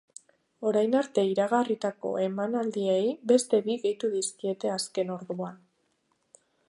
Orain arte iragarritako emanaldiei beste bi gehitu dizkiete azken orduan.